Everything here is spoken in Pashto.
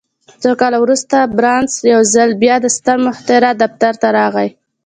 څو کاله وروسته بارنس يو ځل بيا د ستر مخترع دفتر ته راغی.